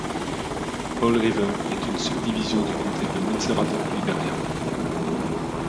Paul River est une subdivision du Comté de Montserrado au Liberia.